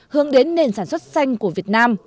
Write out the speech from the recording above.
hướng đến nền sản xuất xanh của việt nam